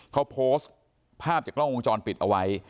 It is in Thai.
เขาโพสต์ภาพจากกล้องวงจรปิดเอาไว้